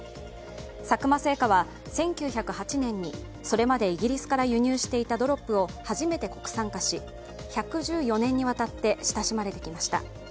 佐久間製菓は１９０８年に、それまでイギリスから輸入していたドロップを初めて国産化し、１１４年にわたって親しまれてきました。